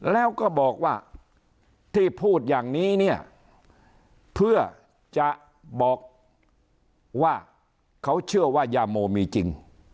แล้วก็บอกว่าที่พูดอย่างนี้เนี่ยเพื่อจะบอกว่าเขาเชื่อว่ายาโมมีจริง